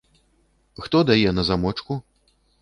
Хто дае на замочку?